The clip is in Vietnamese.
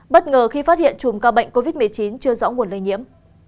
bất ngờ khi phát hiện chùm ca bệnh covid một mươi chín chưa rõ nguồn lây nhiễm